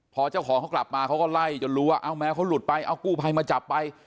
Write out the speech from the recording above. พอเจ้าของเขากลับมาเขาก็ไล่จนรู้ว่าเอาแมวเขาหลุดไปเอากู้ภัยมาจับไป